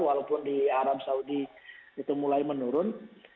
walaupun di arab saudi itu mulai menurun